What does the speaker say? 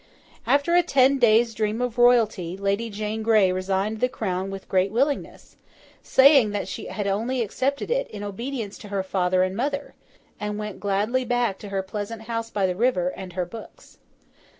After a ten days' dream of royalty, Lady Jane Grey resigned the Crown with great willingness, saying that she had only accepted it in obedience to her father and mother; and went gladly back to her pleasant house by the river, and her books.